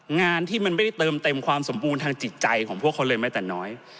งานที่มันไม่ได้เติมเต็มความสมบูรณ์ทางจิตใจของพวกเขาเลยแม้แต่น้อย